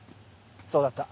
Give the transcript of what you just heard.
そうだった。